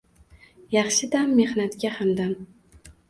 Yaxshi dam – mehnatga hamdam.